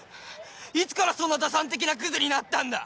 いつからそんな打算的なクズになったんだ！